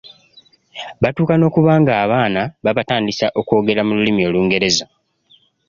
Batuuka n’okuba ng’abaana babatandisa okwogera mu Lulimi Olungereza.